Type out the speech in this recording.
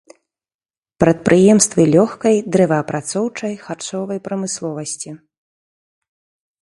Прадпрыемствы лёгкай, дрэваапрацоўчай, харчовай прамысловасці.